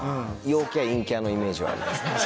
陽キャ陰キャのイメージはあります。